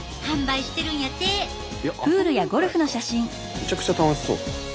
めちゃくちゃ楽しそう。